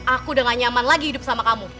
aku udah gak nyaman lagi hidup sama kamu